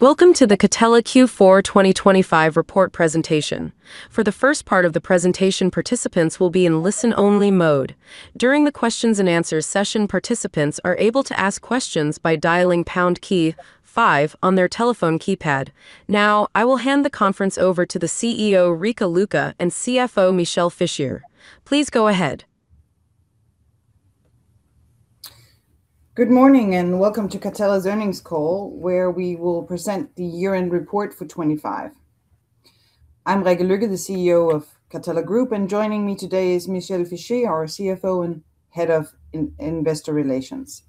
Welcome to the Catella Q4 2025 report presentation. For the first part of the presentation, participants will be in listen-only mode. During the questions and answers session, participants are able to ask questions by dialing pound key five on their telephone keypad. Now, I will hand the conference over to the CEO, Rikke Lykke; and CFO, Michel Fischier. Please go ahead. Good morning, and welcome to Catella's earnings call, where we will present the year-end report for 2025. I'm Rikke Lykke, the CEO of Catella Group, and joining me today is Michel Fischier, our CFO and Head of Investor Relations.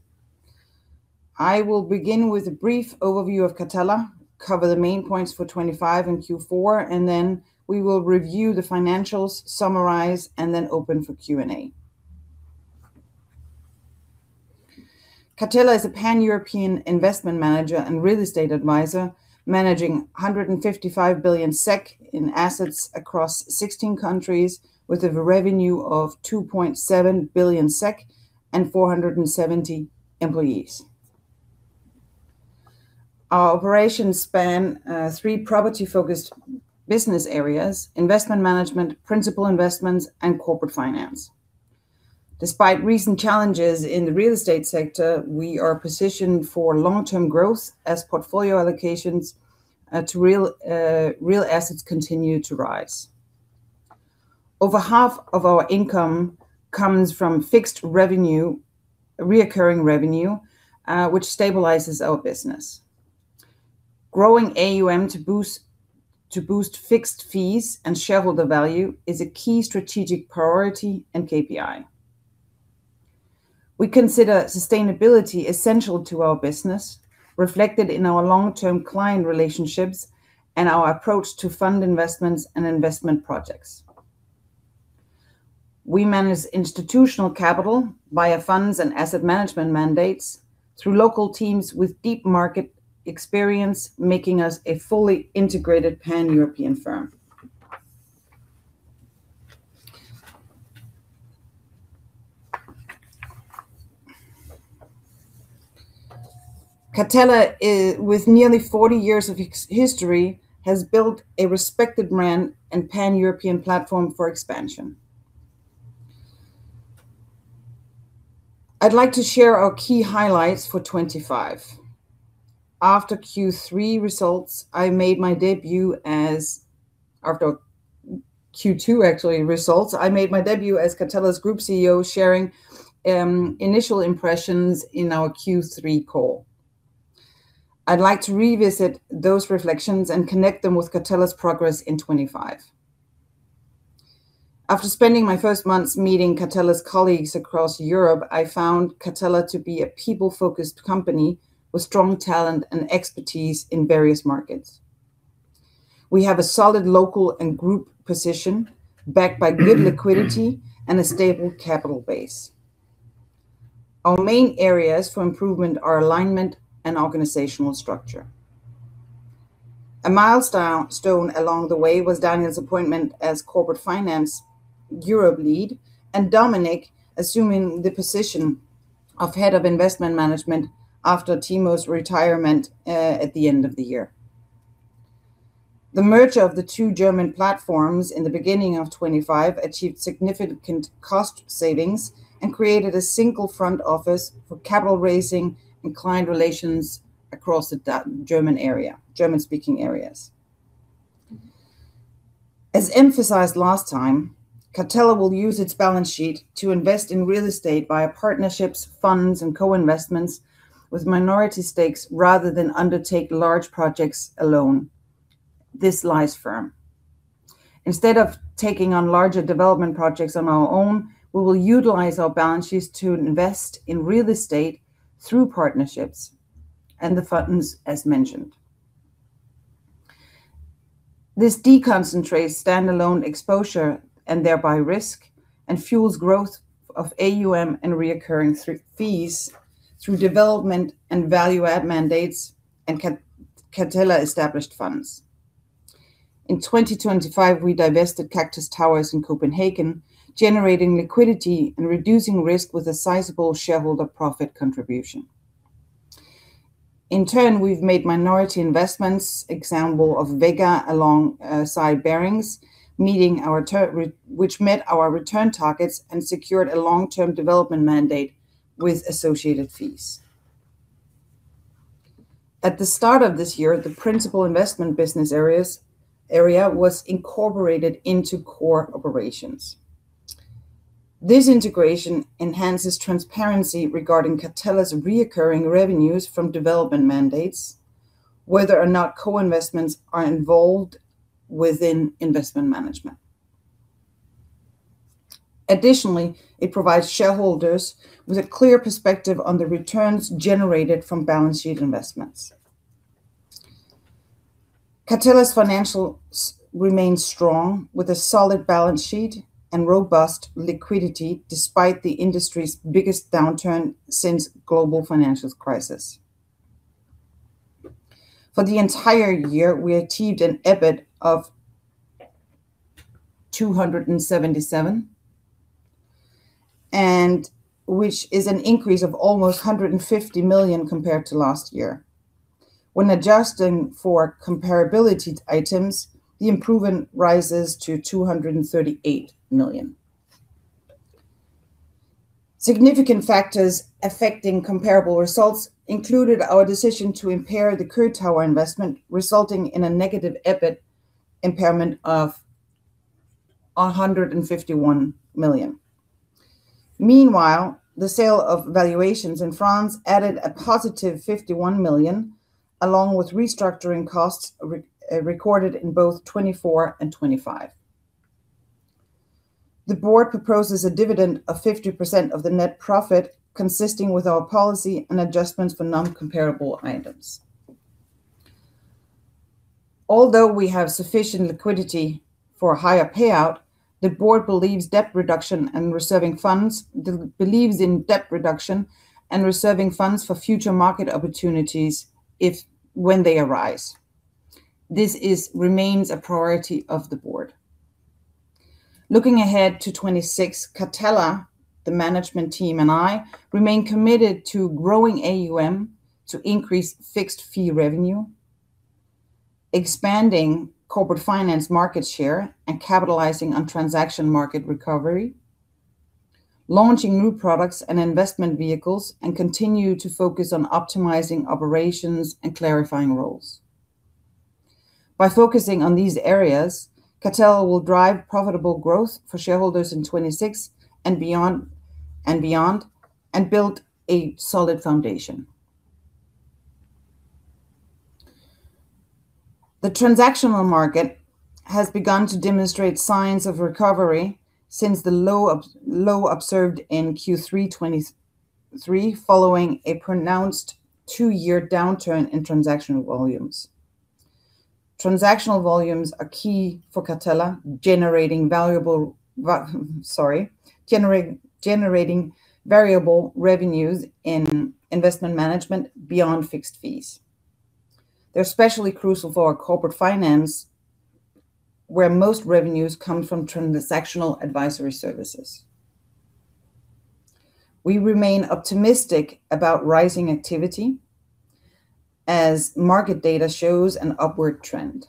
I will begin with a brief overview of Catella, cover the main points for 2025 and Q4, and then we will review the financials, summarize, and then open for Q&A. Catella is a pan-European investment manager and real estate advisor, managing 155 billion SEK in assets across 16 countries with a revenue of 2.7 billion SEK and 470 employees. Our operations span three property-focused business areas: Investment Management, Principal Investments, and Corporate Finance. Despite recent challenges in the real estate sector, we are positioned for long-term growth as portfolio allocations to real assets continue to rise. Over half of our income comes from fixed revenue recurring revenue, which stabilizes our business. Growing AUM to boost fixed fees and shareholder value is a key strategic priority and KPI. We consider sustainability essential to our business, reflected in our long-term client relationships and our approach to fund investments and investment projects. We manage institutional capital via funds and asset management mandates through local teams with deep market experience, making us a fully integrated pan-European firm. Catella, with nearly 40 years of history, has built a respected brand and Pan-European platform for expansion. I'd like to share our key highlights for 2025. After Q2, actually, results, I made my debut as Catella's Group CEO, sharing initial impressions in our Q3 call. I'd like to revisit those reflections and connect them with Catella's progress in 2025. After spending my first months meeting Catella's colleagues across Europe, I found Catella to be a people-focused company with strong talent and expertise in various markets. We have a solid local and group position, backed by good liquidity and a stable capital base. Our main areas for improvement are alignment and organizational structure. A milestone along the way was Daniel's appointment as Corporate Finance Europe Lead, and Dominic assuming the position of Head of Investment Management after Timo's retirement at the end of the year. The merger of the two German platforms in the beginning of 2025 achieved significant cost savings and created a single front office for capital raising and client relations across the DACH German-speaking areas. As emphasized last time, Catella will use its balance sheet to invest in real estate via partnerships, funds, and co-investments with minority stakes, rather than undertake large projects alone. This lies firm. Instead of taking on larger development projects on our own, we will utilize our balance sheets to invest in real estate through partnerships and the funds, as mentioned. This deconcentrates standalone exposure, and thereby risk, and fuels growth of AUM and recurring through fees, through development and value-add mandates and Catella-established funds. In 2025, we divested Kaktus Towers in Copenhagen, generating liquidity and reducing risk with a sizable shareholder profit contribution. In turn, we've made minority investments, example of Vega, alongside Barings, which met our return targets and secured a long-term development mandate with associated fees. At the start of this year, the Principal Investments business area was incorporated into core operations. This integration enhances transparency regarding Catella's recurring revenues from development mandates, whether or not co-investments are involved within investment management. Additionally, it provides shareholders with a clear perspective on the returns generated from balance sheet investments. Catella's financials remain strong, with a solid balance sheet and robust liquidity, despite the industry's biggest downturn since global financial crisis. For the entire year, we achieved an EBIT of 277, which is an increase of almost 150 million compared to last year. When adjusting for comparability items, the improvement rises to 238 million. Significant factors affecting comparable results included our decision to impair the KöTower investment, resulting in a negative EBIT impairment of 151 million. Meanwhile, the sale of valuations in France added a positive 51 million, along with restructuring costs recorded in both 2024 and 2025. The board proposes a dividend of 50% of the net profit, consistent with our policy and adjustments for non-comparable items. Although we have sufficient liquidity for a higher payout, the board believes in debt reduction and reserving funds for future market opportunities if when they arise. This remains a priority of the board. Looking ahead to 2026, Catella, the management team, and I, remain committed to growing AUM to increase fixed fee revenue, expanding corporate finance market share, and capitalizing on transaction market recovery, launching new products and investment vehicles, and continue to focus on optimizing operations and clarifying roles. By focusing on these areas, Catella will drive profitable growth for shareholders in 2026 and beyond, and beyond, and build a solid foundation. The transactional market has begun to demonstrate signs of recovery since the low observed in Q3 2023, following a pronounced two-year downturn in transactional volumes. Transactional volumes are key for Catella, generating valuable variable revenues in investment management beyond fixed fees. They're especially crucial for our corporate finance, where most revenues come from transactional advisory services. We remain optimistic about rising activity as market data shows an upward trend.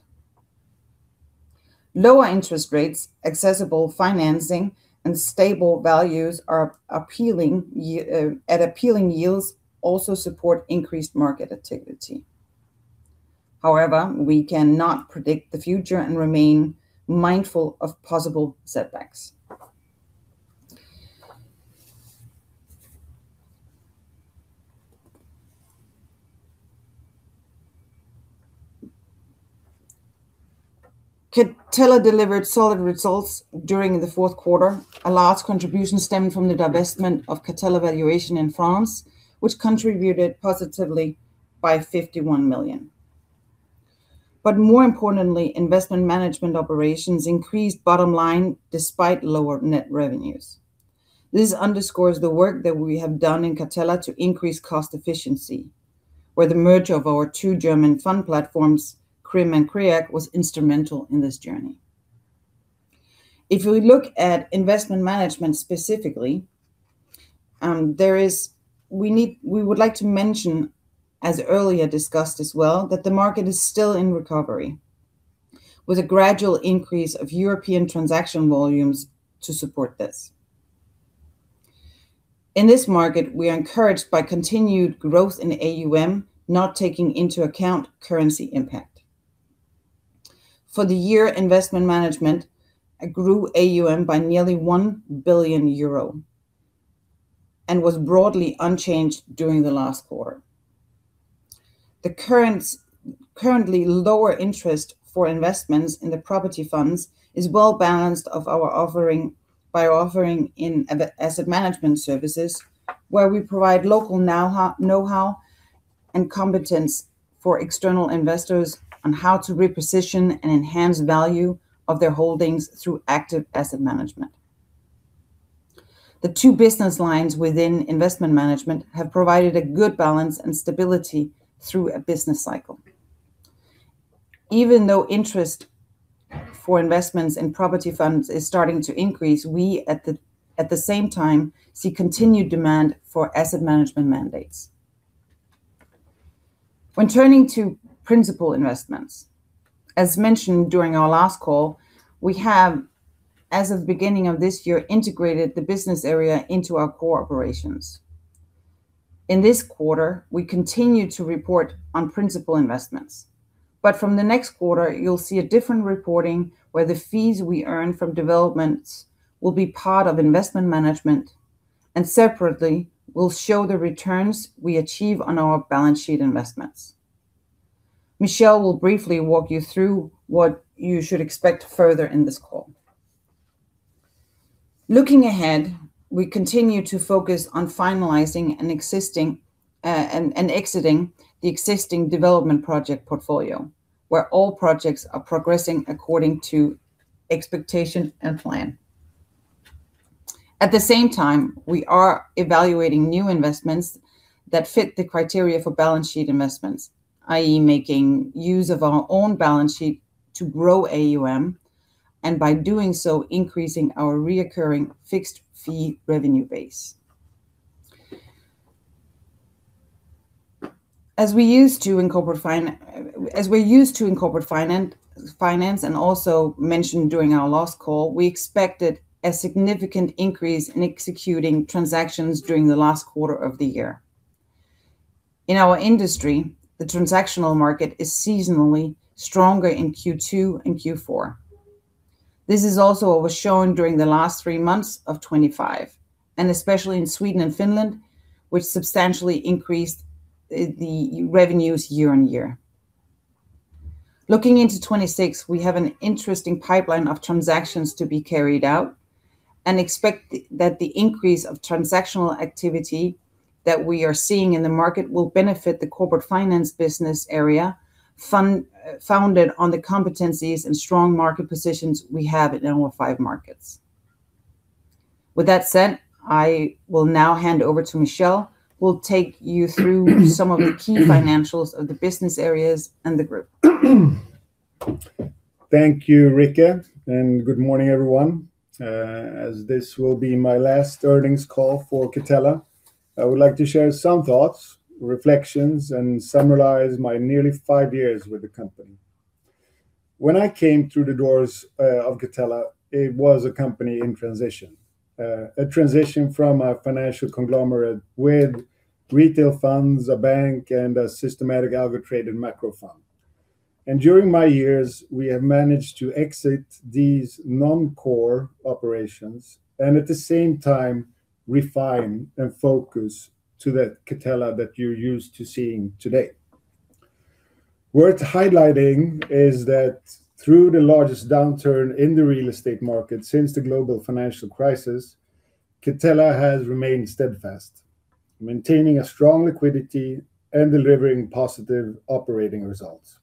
Lower interest rates, accessible financing, and stable values are appealing at appealing yields also support increased market activity. However, we cannot predict the future and remain mindful of possible setbacks. Catella delivered solid results during the fourth quarter, a large contribution stemming from the divestment of Catella Valuation in France, which contributed positively by 51 million. But more importantly, investment management operations increased bottom line despite lower net revenues. This underscores the work that we have done in Catella to increase cost efficiency, where the merger of our two German fund platforms, CRIM and CREAG, was instrumental in this journey. If we look at investment management specifically, we would like to mention, as earlier discussed as well, that the market is still in recovery, with a gradual increase of European transaction volumes to support this. In this market, we are encouraged by continued growth in AUM, not taking into account currency impact. For the year, investment management grew AUM by nearly 1 billion euro and was broadly unchanged during the last quarter. The currently lower interest for investments in the property funds is well-balanced by our offering, by offering in the asset management services, where we provide local knowhow and competence for external investors on how to reposition and enhance value of their holdings through active asset management. The two business lines within Investment Management have provided a good balance and stability through a business cycle. Even though interest for investments in property funds is starting to increase, we, at the same time, see continued demand for asset management mandates. When turning to Principal Investments, as mentioned during our last call, we have, as of beginning of this year, integrated the business area into our core operations. In this quarter, we continue to report on principal investments, but from the next quarter, you'll see a different reporting, where the fees we earn from developments will be part of investment management, and separately, we'll show the returns we achieve on our balance sheet investments. Michel will briefly walk you through what you should expect further in this call. Looking ahead, we continue to focus on finalizing and exiting the existing development project portfolio, where all projects are progressing according to expectation and plan. At the same time, we are evaluating new investments that fit the criteria for balance sheet investments, i.e., making use of our own balance sheet to grow AUM, and by doing so, increasing our recurring fixed fee revenue base. As we used to in corporate finance, as we're used to in corporate finance, finance, and also mentioned during our last call, we expected a significant increase in executing transactions during the last quarter of the year. In our industry, the transactional market is seasonally stronger in Q2 and Q4. This is also what was shown during the last three months of 2025, and especially in Sweden and Finland, which substantially increased the revenues year-over-year. Looking into 2026, we have an interesting pipeline of transactions to be carried out and expect that the increase of transactional activity that we are seeing in the market will benefit the corporate finance business area, founded on the competencies and strong market positions we have in our five markets. With that said, I will now hand over to Michel, who will take you through some of the key financials of the business areas and the group. Thank you, Rikke, and good morning, everyone. As this will be my last earnings call for Catella, I would like to share some thoughts, reflections, and summarize my nearly five years with the company. When I came through the doors of Catella, it was a company in transition. A transition from a financial conglomerate with retail funds, a bank, and a systematic algorithmic macro fund. During my years, we have managed to exit these non-core operations, and at the same time, refine and focus to that Catella that you're used to seeing today. Worth highlighting is that through the largest downturn in the real estate market since the global financial crisis, Catella has remained steadfast, maintaining a strong liquidity and delivering positive operating results.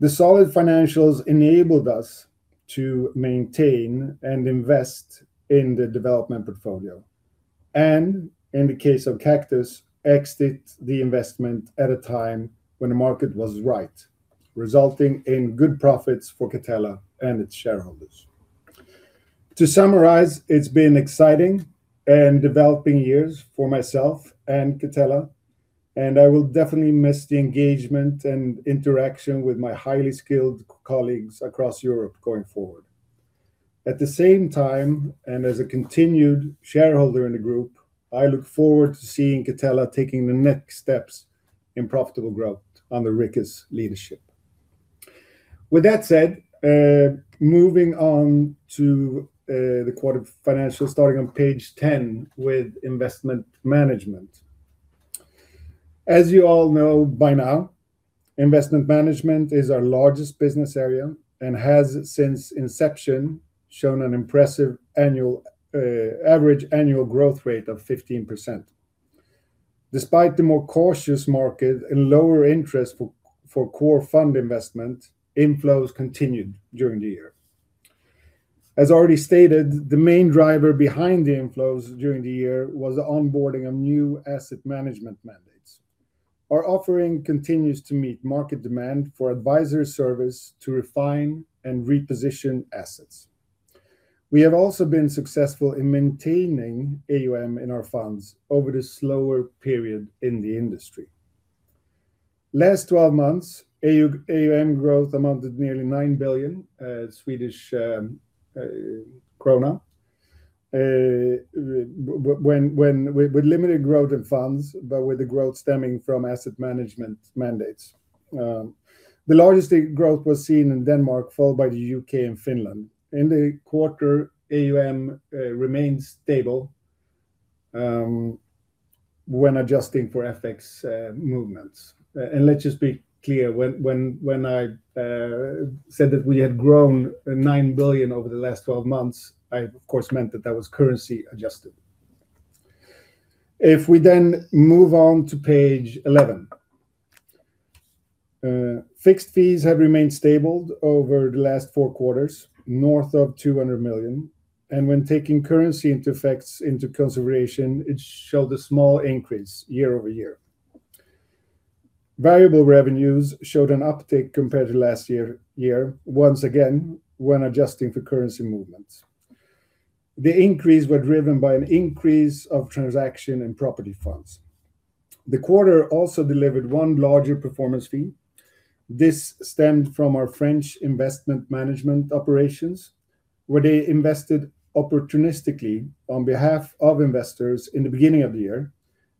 The solid financials enabled us to maintain and invest in the development portfolio, and in the case of Kaktus, exit the investment at a time when the market was right, resulting in good profits for Catella and its shareholders. To summarize, it's been exciting and developing years for myself and Catella, and I will definitely miss the engagement and interaction with my highly skilled colleagues across Europe going forward. At the same time, and as a continued shareholder in the group, I look forward to seeing Catella taking the next steps in profitable growth under Rikke's leadership. With that said, moving on to the quarter financials, starting on page 10 with investment management. As you all know by now, investment management is our largest business area and has, since inception, shown an impressive average annual growth rate of 15%. Despite the more cautious market and lower interest for core fund investment, inflows continued during the year. As already stated, the main driver behind the inflows during the year was the onboarding of new asset management mandates. Our offering continues to meet market demand for advisory service to refine and reposition assets. We have also been successful in maintaining AUM in our funds over the slower period in the industry. Last 12 months, AUM growth amounted nearly 9 billion Swedish krona. With limited growth in funds, but with the growth stemming from asset management mandates. The largest growth was seen in Denmark, followed by the UK and Finland. In the quarter, AUM remained stable when adjusting for FX movements. Let's just be clear, when I said that we had grown 9 billion over the last 12 months, I, of course, meant that that was currency adjusted. If we then move on to page 11. Fixed fees have remained stable over the last four quarters, north of 200 million, and when taking currency effects into consideration, it showed a small increase year-over-year. Variable revenues showed an uptick compared to last year, once again, when adjusting for currency movements. The increase were driven by an increase of transaction and property funds. The quarter also delivered one larger performance fee. This stemmed from our French investment management operations, where they invested opportunistically on behalf of investors in the beginning of the year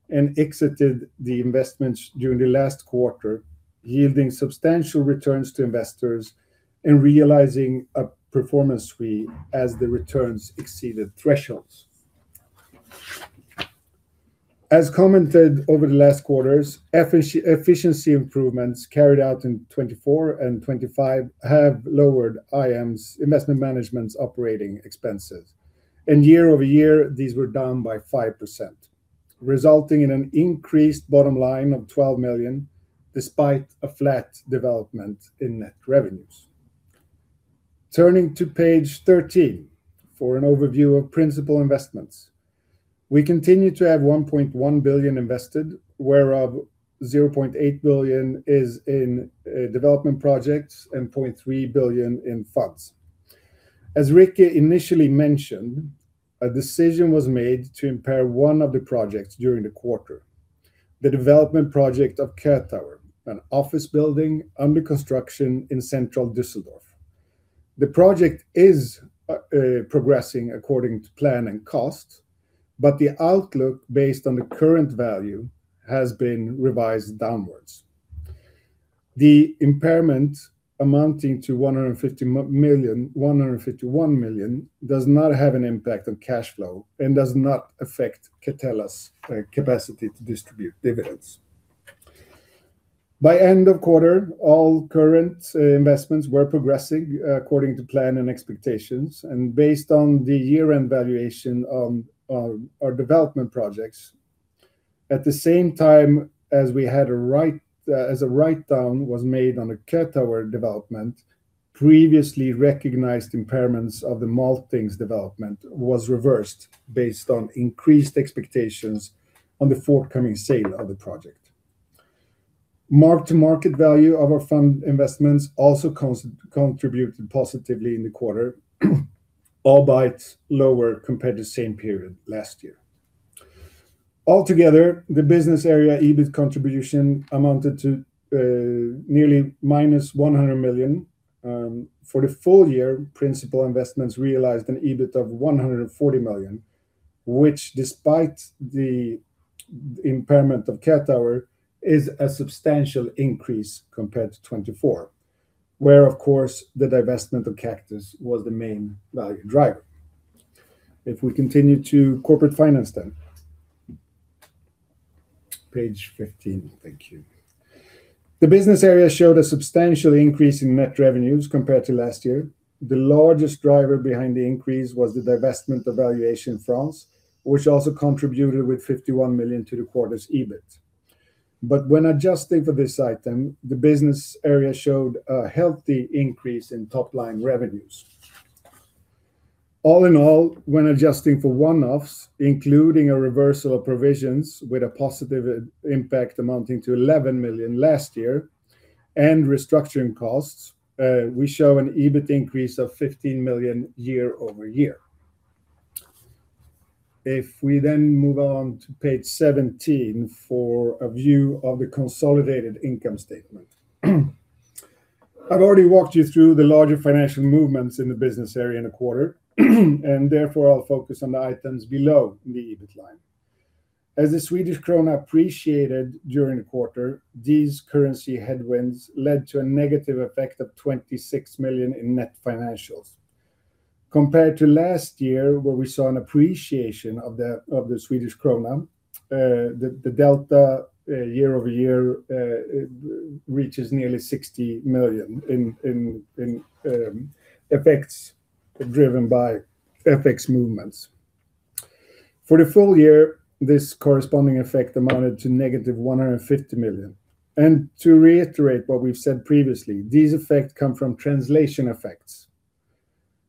and exited the investments during the last quarter, yielding substantial returns to investors and realizing a performance fee as the returns exceeded thresholds. As commented over the last quarters, efficiency improvements carried out in 2024 and 2025 have lowered IM's, Investment Management's operating expenses, and year-over-year, these were down by 5%, resulting in an increased bottom line of 12 million, despite a flat development in net revenues. Turning to page 13, for an overview of principal investments. We continue to have 1.1 billion invested, whereof 0.8 billion is in development projects and 0.3 billion in funds. As Rikke initially mentioned, a decision was made to impair one of the projects during the quarter. The development project of KöTower, an office building under construction in central Düsseldorf. The project is progressing according to plan and cost, but the outlook based on the current value has been revised downwards. The impairment amounting to 151 million does not have an impact on cash flow and does not affect Catella's capacity to distribute dividends. By end of quarter, all current investments were progressing according to plan and expectations, and based on the year-end valuation on our development projects. At the same time as we had a write, as a write-down was made on the KöTower development, previously recognized impairments of the Maltings development was reversed based on increased expectations on the forthcoming sale of the project. Mark to market value of our fund investments also contributed positively in the quarter, albeit lower compared to the same period last year. Altogether, the business area, EBIT contribution, amounted to nearly -100 million. For the full year, principal investments realized an EBIT of 140 million, which despite the impairment of KöTower, is a substantial increase compared to 2024, where, of course, the divestment of Kaktus Towers was the main value driver. If we continue to corporate finance then. Page 15. Thank you. The business area showed a substantial increase in net revenues compared to last year. The largest driver behind the increase was the divestment of Catella Valuation France, which also contributed with 51 million to the quarter's EBIT. When adjusting for this item, the business area showed a healthy increase in top-line revenues. All in all, when adjusting for one-offs, including a reversal of provisions with a positive impact amounting to 11 million last year and restructuring costs, we show an EBIT increase of 15 million year-over-year. If we then move on to page 17 for a view of the consolidated income statement. I've already walked you through the larger financial movements in the business area in the quarter, and therefore, I'll focus on the items below the EBIT line. As the Swedish krona appreciated during the quarter, these currency headwinds led to a negative effect of 26 million in net financials. Compared to last year, where we saw an appreciation of the Swedish krona, the delta year-over-year it reaches nearly 60 million in effects driven by FX movements. For the full year, this corresponding effect amounted to negative 150 million. To reiterate what we've said previously, these effects come from translation effects.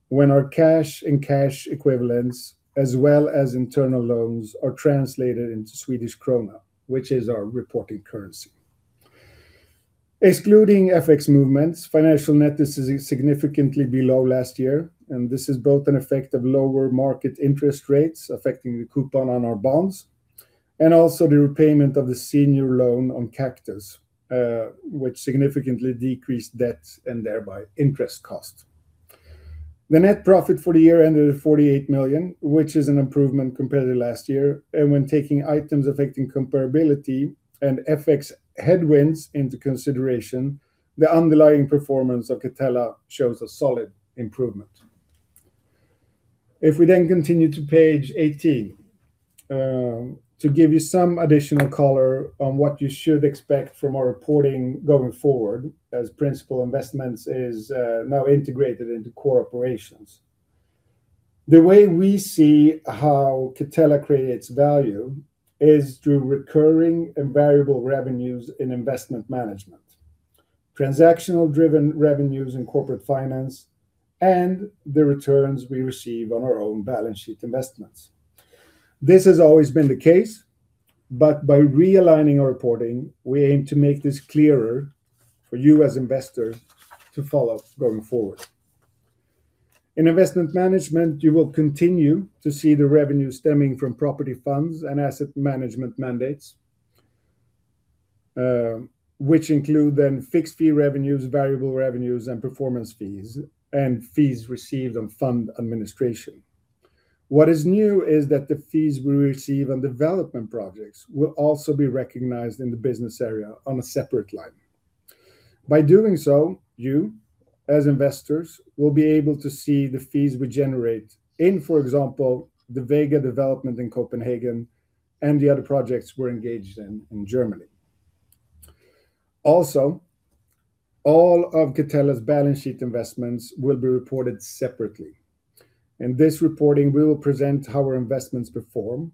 When our cash and cash equivalents, as well as internal loans, are translated into Swedish krona, which is our reporting currency. Excluding FX movements, financial net is significantly below last year, and this is both an effect of lower market interest rates affecting the coupon on our bonds, and also the repayment of the senior loan on Kaktus Towers, which significantly decreased debt and thereby interest costs. The net profit for the year ended at 48 million, which is an improvement compared to last year, and when taking items affecting comparability and FX headwinds into consideration, the underlying performance of Catella shows a solid improvement. If we then continue to page 18, to give you some additional color on what you should expect from our reporting going forward, as Principal Investments is now integrated into core operations. The way we see how Catella creates value is through recurring and variable revenues in investment management, transactional-driven revenues in corporate finance, and the returns we receive on our own balance sheet investments. This has always been the case, but by realigning our reporting, we aim to make this clearer for you as investors to follow going forward. In investment management, you will continue to see the revenue stemming from property funds and asset management mandates, which include then fixed-fee revenues, variable revenues, and performance fees, and fees received on fund administration. What is new is that the fees we receive on development projects will also be recognized in the business area on a separate line. By doing so, you, as investors, will be able to see the fees we generate in, for example, the Vega development in Copenhagen and the other projects we're engaged in in Germany. Also, all of Catella's balance sheet investments will be reported separately. This reporting will present how our investments perform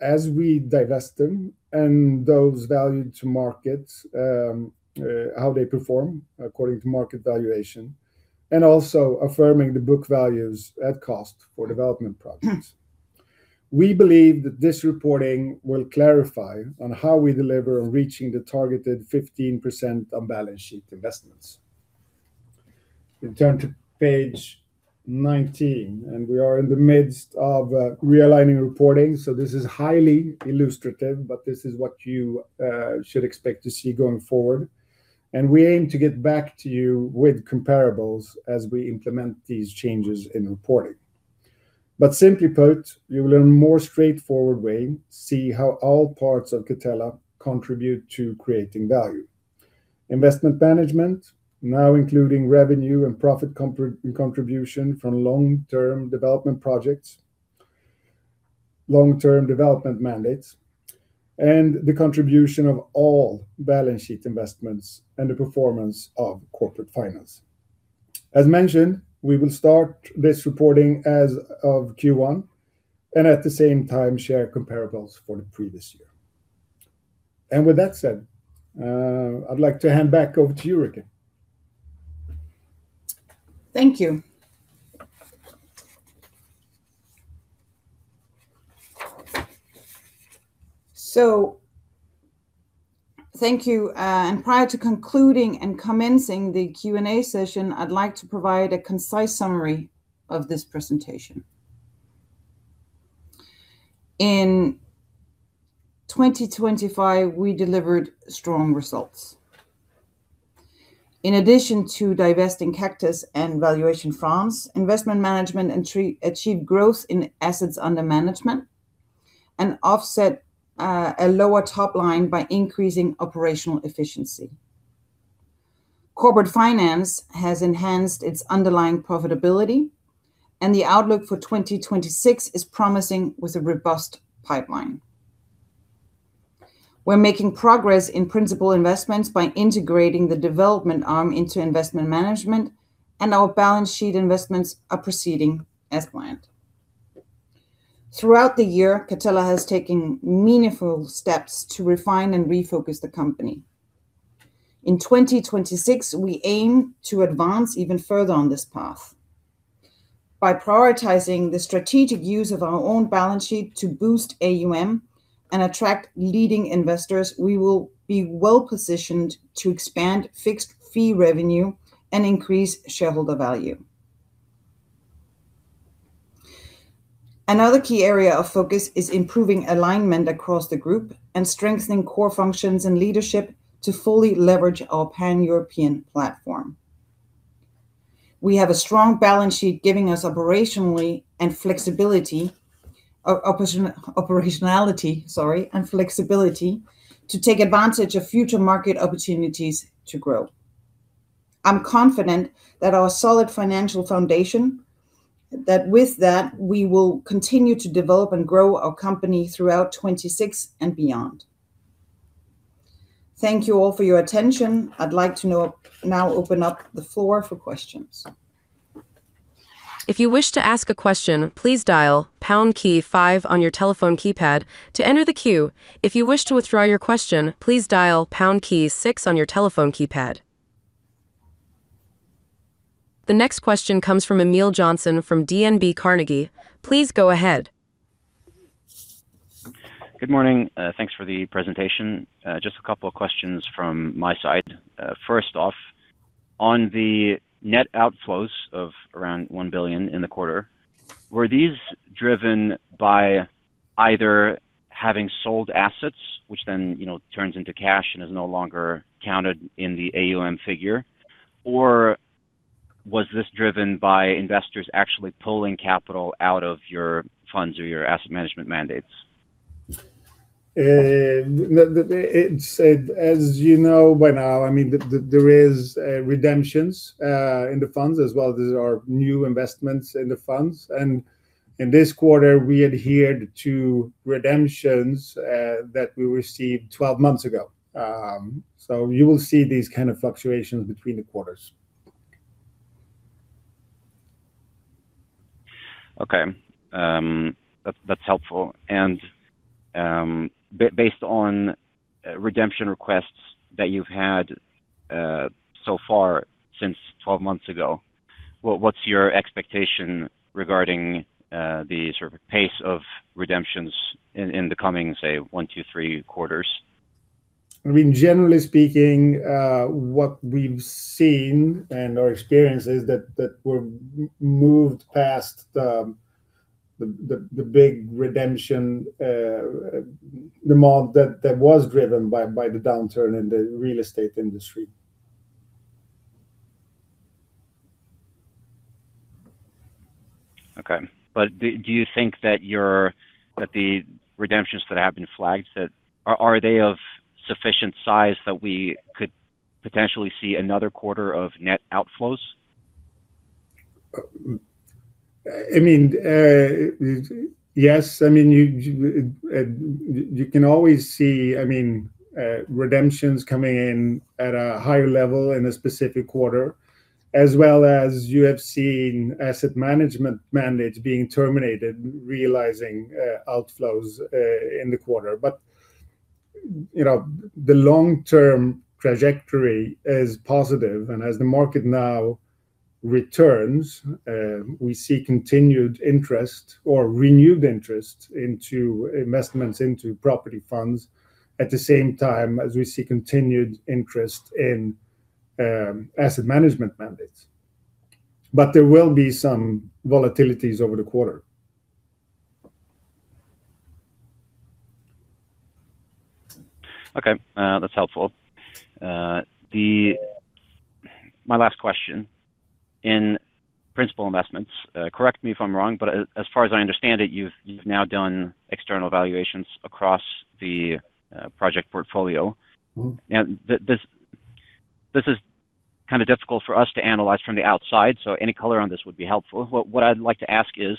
as we divest them and those valued to market, how they perform according to market valuation, and also affirming the book values at cost for development projects. We believe that this reporting will clarify on how we deliver on reaching the targeted 15% on balance sheet investments. We turn to page 19, and we are in the midst of realigning reporting, so this is highly illustrative, but this is what you should expect to see going forward. And we aim to get back to you with comparables as we implement these changes in reporting. But simply put, you will, in a more straightforward way, see how all parts of Catella contribute to creating value. Investment management, now including revenue and profit contribution from long-term development projects, long-term development mandates, and the contribution of all balance sheet investments and the performance of corporate finance. As mentioned, we will start this reporting as of Q1, and at the same time share comparables for the previous year. And with that said, I'd like to hand back over to you, Rikke. Thank you. So thank you. And prior to concluding and commencing the Q&A session, I'd like to provide a concise summary of this presentation. In 2025, we delivered strong results. In addition to divesting Kaktus Towers and Catella Valuation, Investment Management achieved growth in assets under management and offset a lower top line by increasing operational efficiency. Corporate Finance has enhanced its underlying profitability, and the outlook for 2026 is promising with a robust pipeline. We're making progress in Principal Investments by integrating the development arm into Investment Management, and our balance sheet investments are proceeding as planned. Throughout the year, Catella has taken meaningful steps to refine and refocus the company. In 2026, we aim to advance even further on this path. By prioritizing the strategic use of our own balance sheet to boost AUM and attract leading investors, we will be well positioned to expand fixed fee revenue and increase shareholder value. Another key area of focus is improving alignment across the group and strengthening core functions and leadership to fully leverage our pan-European platform. We have a strong balance sheet, giving us operationally and flexibility, operationality, sorry, and flexibility to take advantage of future market opportunities to grow. I'm confident that our solid financial foundation, that with that, we will continue to develop and grow our company throughout 2026 and beyond. Thank you all for your attention. I'd like to now open up the floor for questions. If you wish to ask a question, please dial pound key five on your telephone keypad to enter the queue. If you wish to withdraw your question, please dial pound key six on your telephone keypad. The next question comes from Emil Jonsson from DNB Carnegie. Please go ahead. Good morning. Thanks for the presentation. Just a couple of questions from my side. First off, on the net outflows of around 1 billion in the quarter, were these driven by either having sold assets, which then, you know, turns into cash and is no longer counted in the AUM figure? Or was this driven by investors actually pulling capital out of your funds or your asset management mandates? It's, as you know by now, I mean, there is redemptions in the funds as well as there are new investments in the funds. And in this quarter, we adhered to redemptions that we received 12 months ago. So you will see these kind of fluctuations between the quarters. Okay. That's helpful. And based on redemption requests that you've had so far since 12 months ago, what's your expectation regarding the sort of pace of redemptions in the coming, say, one, two, three quarters? I mean, generally speaking, what we've seen and our experience is that we're moved past the big redemption demand that was driven by the downturn in the real estate industry. Okay. But do you think that your, that the redemptions that have been flagged, that are, are they of sufficient size that we could potentially see another quarter of net outflows? I mean, yes. I mean, you, you can always see, I mean, redemptions coming in at a higher level in a specific quarter, as well as you have seen asset management mandate being terminated, realizing, outflows, in the quarter. But, you know, the long-term trajectory is positive, and as the market now returns, we see continued interest or renewed interest into investments into property funds, at the same time, as we see continued interest in, asset management mandates. But there will be some volatilities over the quarter. Okay, that's helpful. My last question, in Principal Investments, correct me if I'm wrong, but as far as I understand it, you've now done external valuations across the project portfolio. This is kind of difficult for us to analyze from the outside, so any color on this would be helpful. What I'd like to ask is,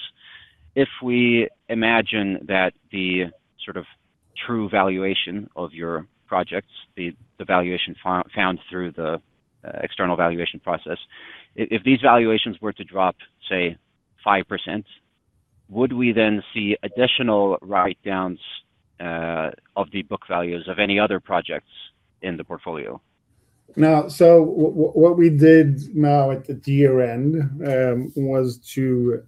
if we imagine that the sort of true valuation of your projects, the valuation found through the external valuation process, if these valuations were to drop, say, 5%, would we then see additional write-downs of the book values of any other projects in the portfolio? Now, what we did at the year-end was to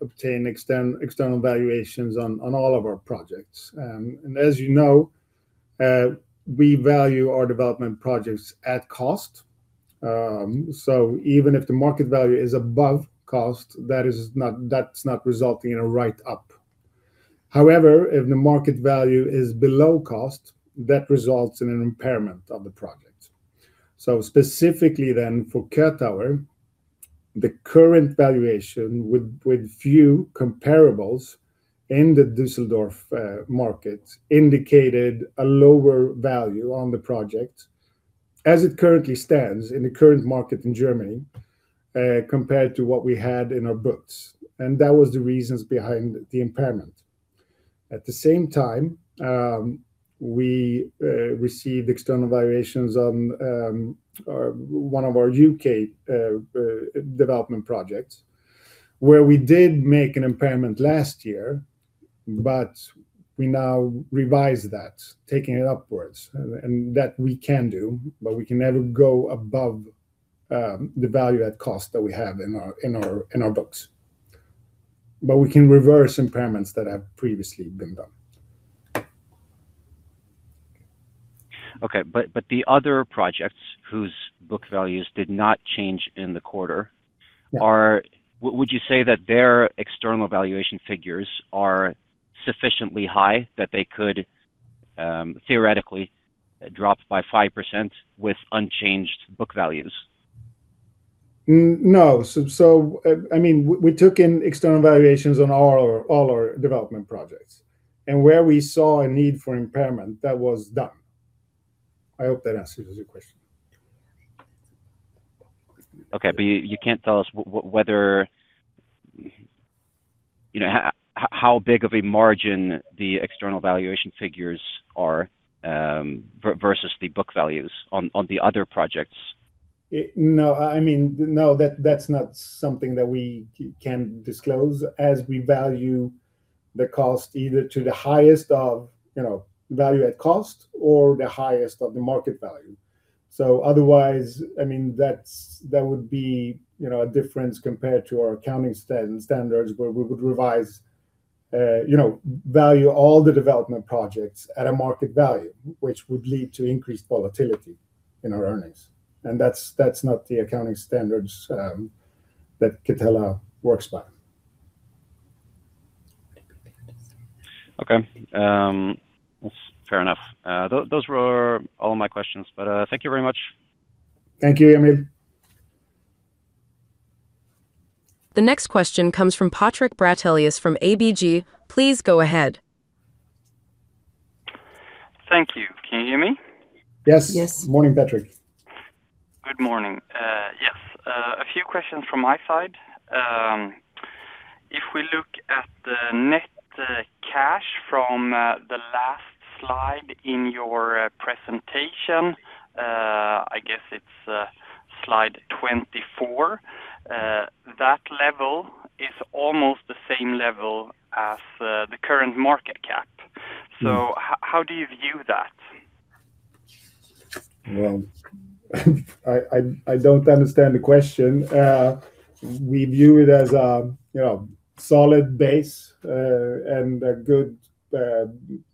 obtain external valuations on all of our projects. And as you know, we value our development projects at cost. So even if the market value is above cost, that is not resulting in a write-up. However, if the market value is below cost, that results in an impairment of the project. So specifically then, for KöTower, the current valuation with few comparables in the Düsseldorf market indicated a lower value on the project as it currently stands in the current market in Germany compared to what we had in our books, and that was the reasons behind the impairment. At the same time, we received external valuations on one of our UK development projects, where we did make an impairment last year, but we now revised that, taking it upwards, and that we can do, but we can never go above the value add cost that we have in our books. But we can reverse impairments that have previously been done. Okay. But the other projects whose book values did not change in the quarter would you say that their external valuation figures are sufficiently high, that they could, theoretically, drop by 5% with unchanged book values? No. So, I mean, we took in external valuations on all our development projects, and where we saw a need for impairment, that was done. I hope that answers your question. Okay, but you can't tell us whether, you know, how big of a margin the external valuation figures are versus the book values on the other projects? No, I mean, no, that's not something that we can disclose, as we value the cost either to the highest of, you know, value at cost or the highest of the market value. So otherwise, I mean, that would be, you know, a difference compared to our accounting standards, where we would revise, you know, value all the development projects at a market value, which would lead to increased volatility in our earnings, and that's, that's not the accounting standards that Catella works by. Okay. That's fair enough. Those were all my questions, but thank you very much. Thank you, Emil. The next question comes from Patrik Brattelius from ABG. Please go ahead. Thank you. Can you hear me? Yes. Yes. Morning, Patrik. Good morning. Yes, a few questions from my side. If we look at the net cash from the last slide in your presentation, I guess it's slide 24, that level is almost the same level as the current market cap. So how do you view that? Well, I don't understand the question. We view it as a you know solid base, and a good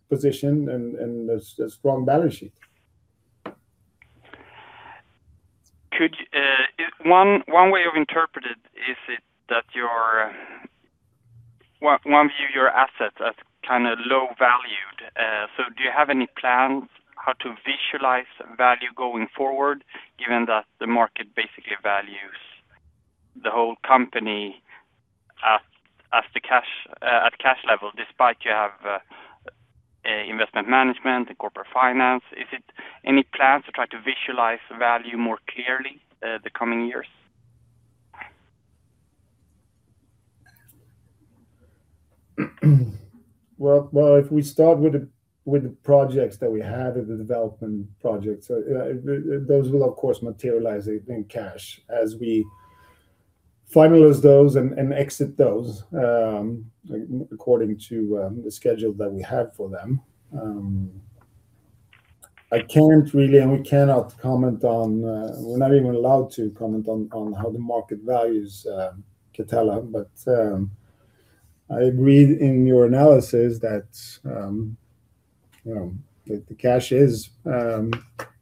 position, and a strong balance sheet. Could you, if one, one way of interpret it, is it that you're, one view your assets as kind of low valued. Do you have any plans how to visualize value going forward, given that the market basically values the whole company as, as the cash, at cash level, despite you have, a investment management, a corporate finance? Is it any plans to try to visualize the value more clearly, the coming years? Well, well, if we start with the, with the projects that we have in the development projects, those will, of course, materialize in cash as we finalize those and exit those, according to the schedule that we have for them. I can't really, and we cannot comment on, we're not even allowed to comment on, on how the market values, Catella. But, I read in your analysis that, you know, that the cash is,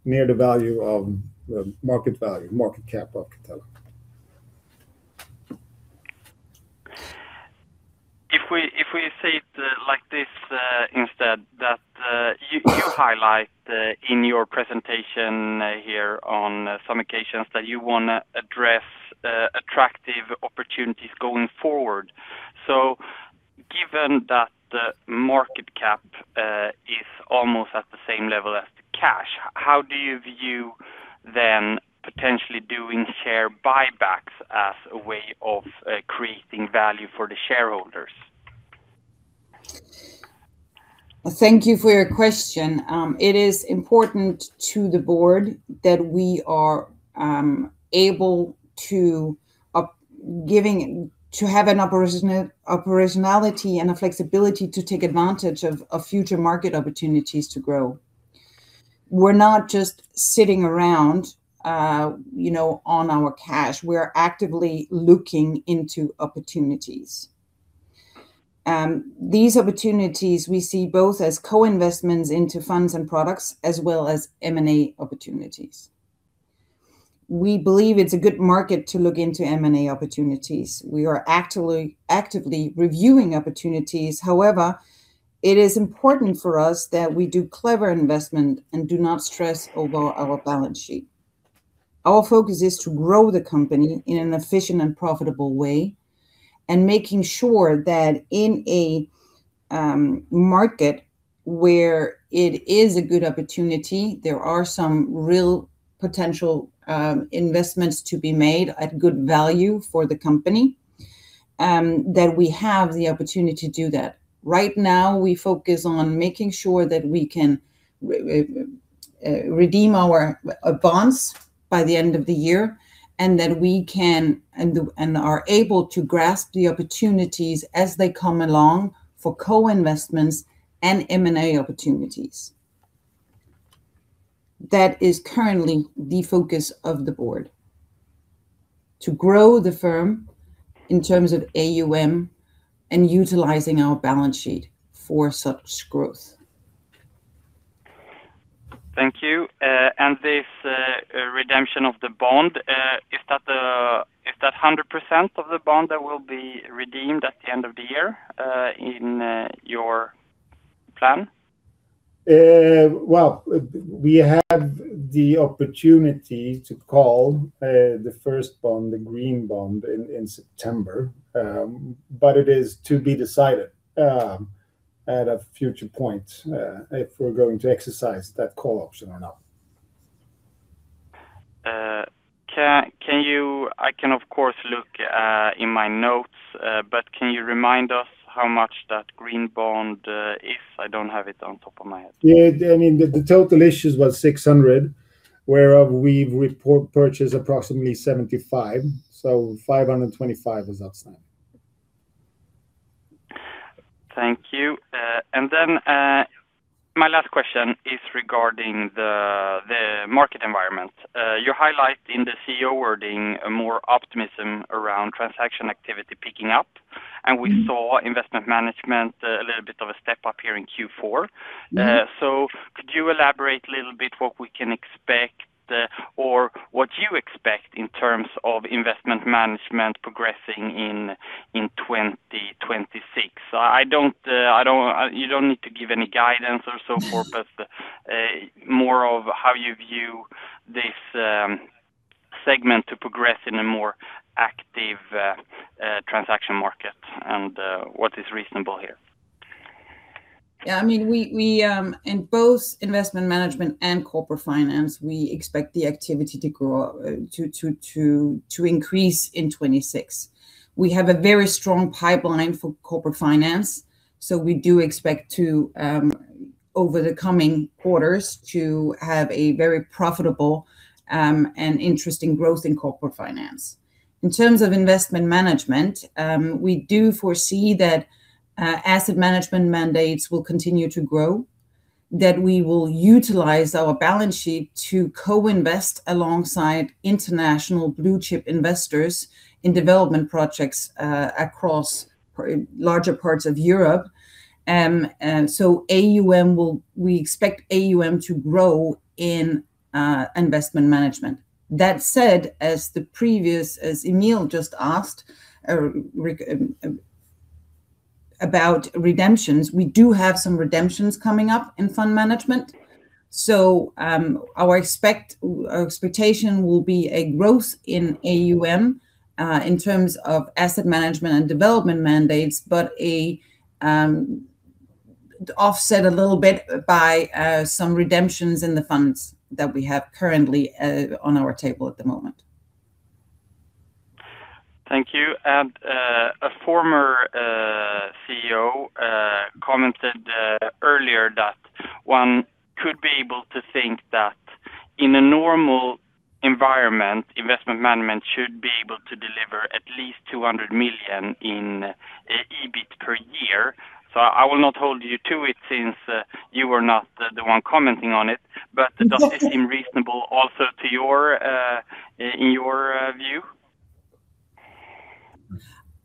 near the value of the market value, market cap of Catella. If we say it like this instead, you highlight in your presentation here on some occasions that you wanna address attractive opportunities going forward. So given that the market cap is almost at the same level as the cash, how do you view then potentially doing share buybacks as a way of creating value for the shareholders? Well, thank you for your question. It is important to the board that we are able to have operability and the flexibility to take advantage of future market opportunities to grow. We're not just sitting around, you know, on our cash. We're actively looking into opportunities. These opportunities we see both as co-investments into funds and products, as well as M&A opportunities. We believe it's a good market to look into M&A opportunities. We are actually actively reviewing opportunities. However, it is important for us that we do clever investment and do not stress over our balance sheet. Our focus is to grow the company in an efficient and profitable way, and making sure that in a market where it is a good opportunity, there are some real potential investments to be made at good value for the company, that we have the opportunity to do that. Right now, we focus on making sure that we can redeem our bonds by the end of the year, and that we can and do, and are able to grasp the opportunities as they come along for co-investments and M&A opportunities. That is currently the focus of the board: to grow the firm in terms of AUM and utilizing our balance sheet for such growth. Thank you. This redemption of the bond, is that 100% of the bond that will be redeemed at the end of the year, in your plan? Well, we have the opportunity to call the first bond, the green bond, in September. But it is to be decided at a future point if we're going to exercise that call option or not. Can you? I can, of course, look in my notes, but can you remind us how much that green bond is? I don't have it on top of my head. Yeah, I mean, the total issues was 600, whereof we've repurchased approximately 75, so 525 is outstanding. Thank you. And then, my last question is regarding the market environment. You highlight in the CEO wording more optimism around transaction activity picking up and we saw investment management, a little bit of a step up here in Q4. So could you elaborate a little bit what we can expect, or what you expect in terms of investment management progressing in 2026? You don't need to give any guidance or so forth but more of how you view this segment to progress in a more active transaction market and what is reasonable here? Yeah, I mean, we, we, in both investment management and corporate finance, we expect the activity to grow, to increase in 2026. We have a very strong pipeline for corporate finance, so we do expect to, over the coming quarters, to have a very profitable and interesting growth in corporate finance. In terms of investment management, we do foresee that asset management mandates will continue to grow, that we will utilize our balance sheet to co-invest alongside international blue chip investors in development projects across larger parts of Europe. I mean, AUM will—we expect AUM to grow in investment management. That said, as the previous, as Emil just asked, about redemptions, we do have some redemptions coming up in fund management. So, our expectation will be a growth in AUM in terms of asset management and development mandates, but offset a little bit by some redemptions in the funds that we have currently on our table at the moment. Thank you. And, a former CEO commented earlier that one could be able to think that in a normal environment, investment management should be able to deliver at least 200 million in EBIT per year. So I will not hold you to it, since you were not the one commenting on it. But does this seem reasonable also to your, in your view?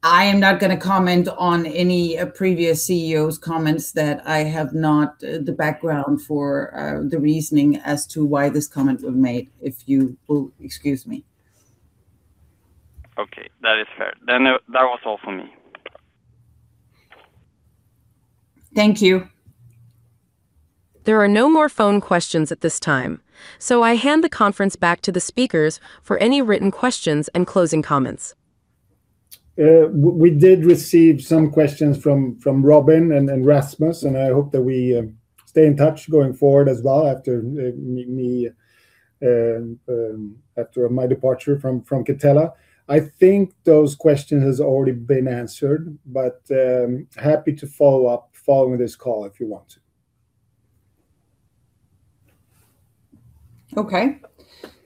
I am not going to comment on any previous CEO's comments that I have not the background for, the reasoning as to why this comment was made, if you will excuse me. Okay, that is fair. Then, that was all for me. Thank you. There are no more phone questions at this time, so I hand the conference back to the speakers for any written questions and closing comments. We did receive some questions from Robin and Rasmus, and I hope that we stay in touch going forward as well after my departure from Catella. I think those questions has already been answered, but happy to follow up following this call if you want to. Okay.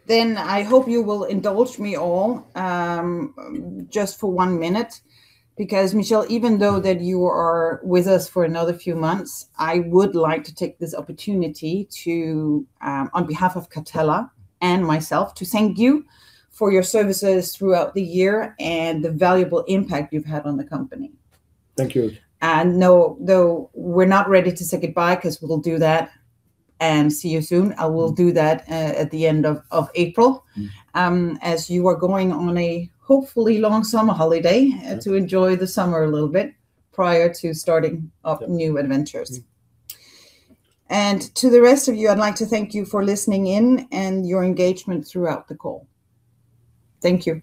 Then I hope you will indulge me all, just for one minute, because Michel, even though that you are with us for another few months, I would like to take this opportunity to, on behalf of Catella and myself, to thank you for your services throughout the year and the valuable impact you've had on the company. Thank you. Though we're not ready to say goodbye, 'cause we will do that and see you soon, I will do that at the end of April. As you are going on a hopefully long summer holiday to enjoy the summer a little bit prior to starting off new adventures. To the rest of you, I'd like to thank you for listening in and your engagement throughout the call. Thank you.